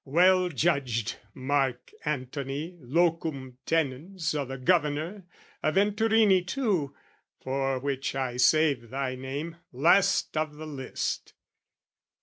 Well judged, Marc Antony, Locum tenens O' the Governor, a Venturini, too! For which I save thy name, last of the list!